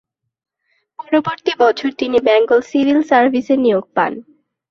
পরবর্তী বছর তিনি বেঙ্গল সিভিল সার্ভিসে নিয়োগ পান।